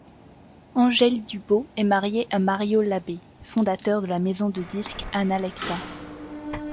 Angèle Dubeau est mariée à Mario Labbé, fondateur de la maison de disques Analekta.